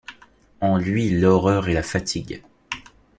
En lui l’horreur et la fatigue.